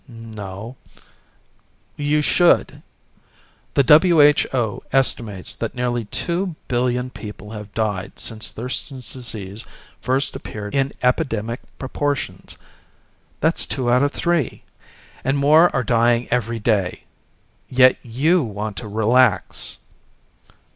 "No " "You should. The WHO estimates that nearly two billion people have died since Thurston's Disease first appeared in epidemic proportions. That's two out of three. And more are dying every day. Yet you want to relax."